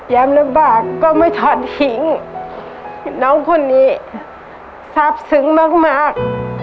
ลำบากก็ไม่ถอดทิ้งน้องคนนี้ทราบซึ้งมากมาก